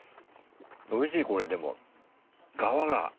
おいしいこれでもがわが。